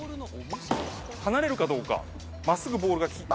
離れるかどうか真っすぐボールが。